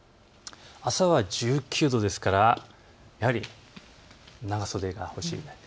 朝は１９度ですから長袖が欲しいです。